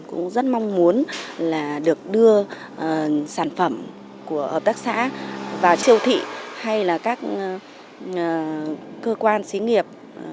cũng rất mong muốn là được đưa sản phẩm của hợp tác xã vào siêu thị hay là các cơ quan xí nghiệp